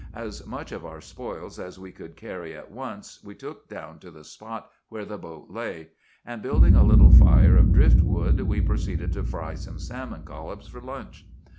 As much of our spoils as we could carry at once we took down to the spot where the boat lay; and building a little fire of driftwood, we proceeded to fry some salmon collops for lunch.